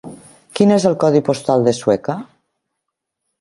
Quin és el codi postal de Sueca?